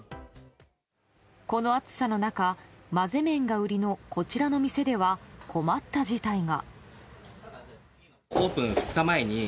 この暑さの中混ぜ麺が売りのこちらの店では困った事態が。